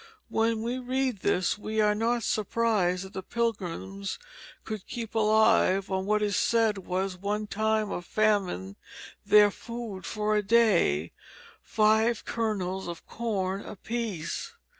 When we read this we are not surprised that the Pilgrims could keep alive on what is said was at one time of famine their food for a day, five kernels of corn apiece.